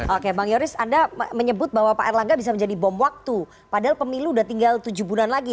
oke bang yoris anda menyebut bahwa pak erlangga bisa menjadi bom waktu padahal pemilu udah tinggal tujuh bulan lagi